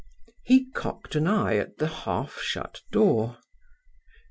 He cocked an eye at the half shut door.